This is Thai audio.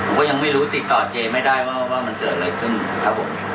ผมก็ยังไม่รู้ติดต่อเจไม่ได้ว่ามันเกิดอะไรขึ้นครับผม